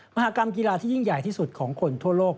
มหากรรมกีฬาที่ยิ่งใหญ่ที่สุดของคนทั่วโลก